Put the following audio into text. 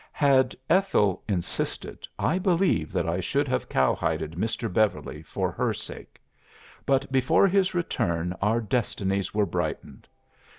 '" "Had Ethel insisted, I believe that I should have cowhided Mr. Beverly for her sake. But before his return our destinies were brightened.